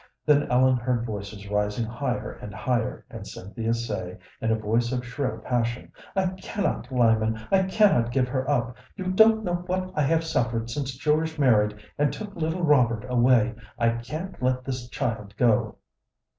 Then Ellen heard voices rising higher and higher, and Cynthia say, in a voice of shrill passion: "I cannot, Lyman. I cannot give her up. You don't know what I have suffered since George married and took little Robert away. I can't let this child go."